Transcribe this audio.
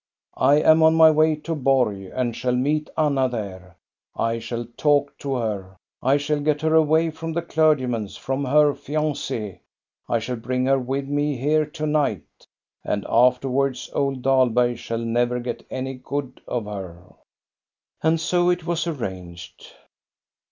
I am on my way to Borg, and shall meet Anna diere. I shall talk to her; I shall get her away from the clergyman's, from her flanc^, — I shall 68 THE STORY OF GOSTA BERUNG bring her with me here to night. And afterwards old Dahlberg shall never get any good of her." And so it was arranged.